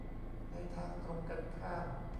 ในทางตรงกันข้าม